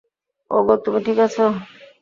ওগো, তুমি ঠিক আছো?